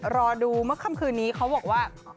รอดูเมื่อค่ำคืนนี้เขาบอกว่า